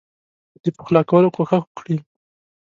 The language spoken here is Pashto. د پخلا کولو کوښښ وکړي.